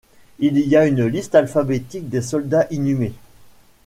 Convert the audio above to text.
Il y a une liste alphabétique des soldats inhumés.